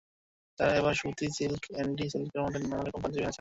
তাঁরা এবার সুতি, সিল্ক, অ্যান্ডি সিল্কের মধ্যে নানা রকম পাঞ্জাবি এনেছেন।